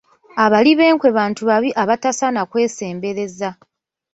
Abali b’enkwe bantu babi abatasaana kwesembereza.